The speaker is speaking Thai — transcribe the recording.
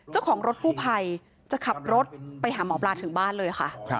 เจ้าของรถกู้ภัยจะขับรถไปหาหมอปลาถึงบ้านเลยค่ะ